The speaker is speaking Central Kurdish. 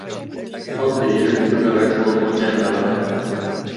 ئەو دەیەوێت بگەڕێتەوە بۆ جەنگەڵەکە.